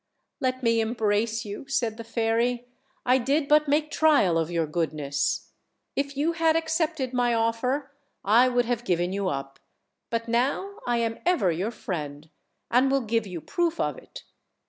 ''Let me embrace you," said the fairy; "I did but make trial of your goodness. If you had accepted nr: offer I would have given you up; but now I am evei your friend, and will give you proof of it.